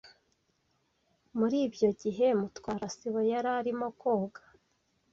Muri ibyo gihe, Mutwara sibo yari arimo koga.